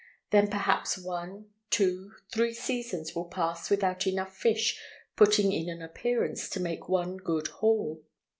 Then perhaps one, two, three seasons will pass without enough fish putting in an appearance to make one good haul.